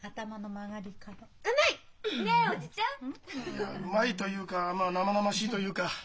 いやうまいというか生々しいというか。